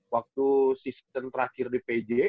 waktu season terakhir di pj